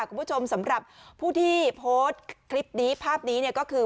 คุณผู้ชมสำหรับผู้ที่โพสต์คลิปนี้ภาพนี้เนี่ยก็คือ